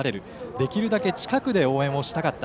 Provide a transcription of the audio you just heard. できるだけ近くで応援をしたかった。